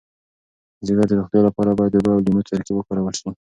د ځیګر د روغتیا لپاره باید د اوبو او لیمو ترکیب وکارول شي.